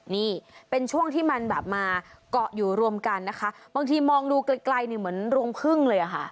นี่เป็นช่วงที่มันแบบมาเกาะอยู่รวมกันนะคะบางทีมองดูไกลเนี่ยเหมือนรวงพึ่งเลยอะค่ะ